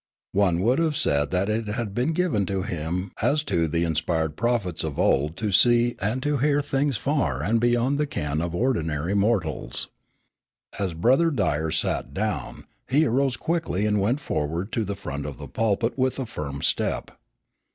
One would have said that it had been given to him as to the inspired prophets of old to see and to hear things far and beyond the ken of ordinary mortals. As Brother Dyer sat down, he arose quickly and went forward to the front of the pulpit with a firm step.